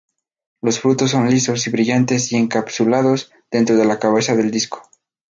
Los frutos son lisos y brillantes y encapsulados dentro de la cabeza del disco.